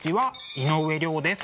井上涼です。